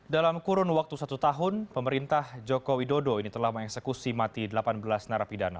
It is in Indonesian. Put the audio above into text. dalam kurun waktu satu tahun pemerintah joko widodo ini telah mengeksekusi mati delapan belas narapidana